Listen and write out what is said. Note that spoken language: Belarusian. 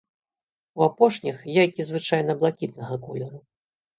У апошніх яйкі звычайна блакітнага колеру.